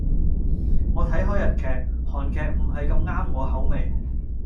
我睇開日劇，韓劇唔係咁啱我口味